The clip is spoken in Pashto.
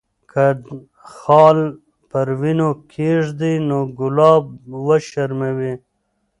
که خال پر وینو کښېږدي، نو ګلاب وشرموي.